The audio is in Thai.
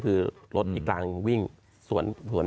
คือรถอีกรางวิ่งสวนฟัย